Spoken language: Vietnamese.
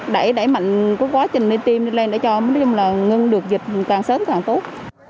đẩy mạnh quá trình đi tiêm đi lên để cho ngưng được dịch càng sớm càng tốt